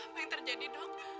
apa yang terjadi dok